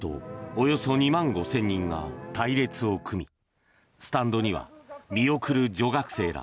およそ２万５０００人が隊列を組みスタンドには見送る女学生ら